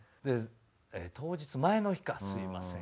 当日前の日かすみません